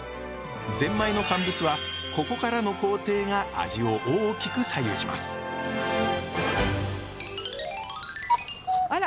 ぜんまいの乾物はここからの工程が味を大きく左右しますあら